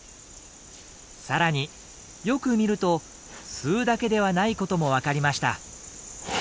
さらによく見ると吸うだけではないことも分かりました。